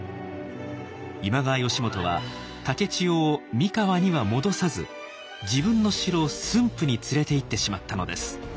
今川義元は竹千代を三河には戻さず自分の城駿府に連れていってしまったのです。